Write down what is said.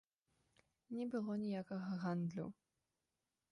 Не было ніякага гандлю.